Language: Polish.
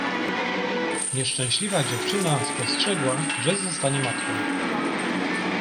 "Nieszczęśliwa dziewczyna spostrzegła, że zostanie matką."